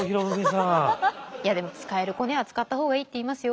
いやでも使えるコネは使った方がいいって言いますよ。